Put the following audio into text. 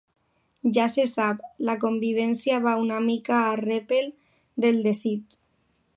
Ja se sap, la convivència va una mica a repèl del desig.